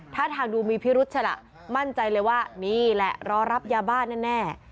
ถ้าทางดูมีพิรุธฉะนั้นมั่นใจเลยว่านี่แหละรอรับยาบ้านั่นแน่